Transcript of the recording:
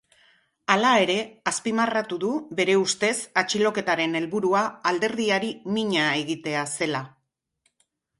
Hala ere, azpimarratu du bere ustez atxiloketaren helburua alderdiari mina egitea zela.